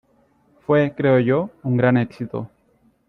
Fue, creo yo , un gran éxito.